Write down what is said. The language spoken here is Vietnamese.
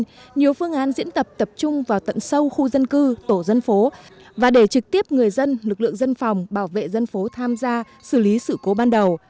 trong năm hai nghìn hai mươi nhiều phương án diễn tập tập trung vào tận sâu khu dân cư tổ dân phố và để trực tiếp người dân lực lượng dân phòng bảo vệ dân phố tham gia xử lý sự cố ban đầu